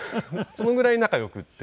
そのぐらい仲良くて。